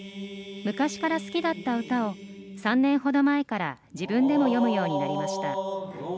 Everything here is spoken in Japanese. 昔から好きだった歌を３年ほど前から自分でも詠むようになりました。